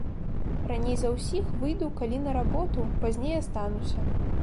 Раней за ўсіх выйду калі на работу, пазней астануся.